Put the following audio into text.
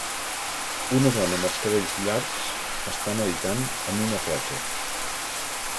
Una dona amb els cabells llargs està meditant en una platja.